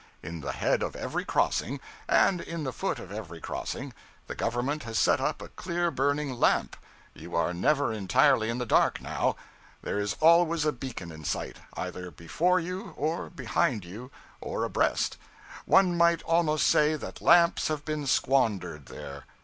In the head of every crossing, and in the foot of every crossing, the government has set up a clear burning lamp. You are never entirely in the dark, now; there is always a beacon in sight, either before you, or behind you, or abreast. One might almost say that lamps have been squandered there.